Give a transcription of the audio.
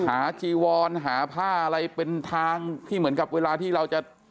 จีวอนหาผ้าอะไรเป็นทางที่เหมือนกับเวลาที่เราจะ